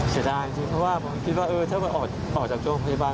เสียดายจริงเพราะว่าผมคิดว่าถ้ามันออกจากโรงพยาบาล